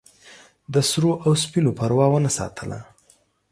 د سرو او سپینو پروا ونه ساتله.